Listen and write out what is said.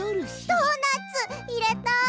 ドーナツいれた！？